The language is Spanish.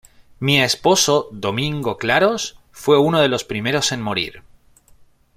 Mi esposo, Domingo Claros, fue uno de los primeros en morir.